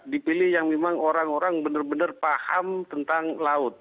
dipilih yang memang orang orang benar benar paham tentang laut